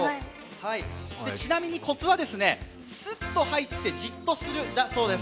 ちなみにコツは、スッと入ってジッとするだそうです。